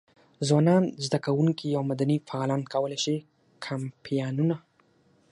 ځوانان، زده کوونکي او مدني فعالان کولای شي کمپاینونه.